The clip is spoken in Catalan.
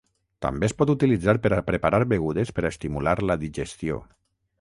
També es pot utilitzar per a preparar begudes per a estimular la digestió.